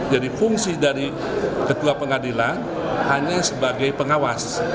jadi fungsi dari ketua pengadilan hanya sebagai pengawas